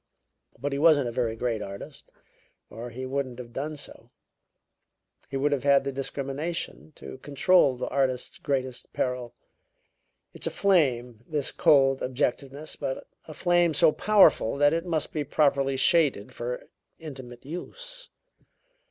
But he wasn't a very great artist, or he wouldn't have done so; he would have had the discrimination to control the artist's greatest peril. It's a flame, this cold objectiveness, but a flame so powerful that it must be properly shaded for intimate use.